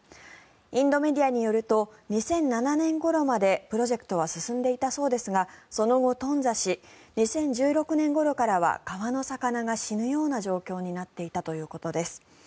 インドメディアによると２００７年ごろまでプロジェクトは進んでいたそうですがその後、頓挫し２０１６年ごろからは川の魚が死ぬような状況になっていたということです。